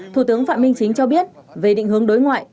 thủ tướng phạm minh chính cho biết về định hướng đối ngoại